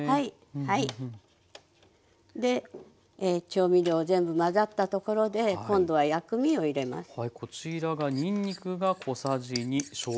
調味料全部混ざったところで今度は薬味を入れます。